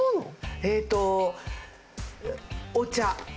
えーっとお茶。